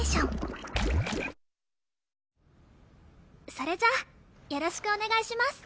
それじゃよろしくお願いします。